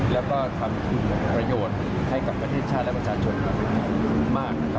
แล้วก็ทำประโยชน์ให้กับประเทศชาติและประชาชนคนไทยมากนะครับ